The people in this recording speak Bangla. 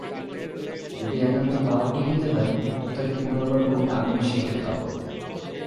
যদি একান্ত পাঁউরুটি খেতে হয় তো তাকে পুনর্বার খুব আগুনে সেঁকে খাও।